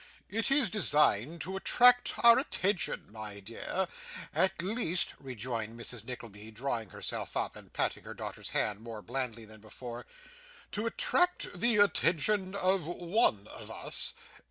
'It is designed to attract our attention, my dear; at least,' rejoined Mrs. Nickleby, drawing herself up, and patting her daughter's hand more blandly than before, 'to attract the attention of one of us.